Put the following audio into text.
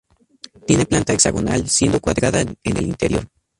Tiene planta hexagonal, siendo cuadrada en el interior.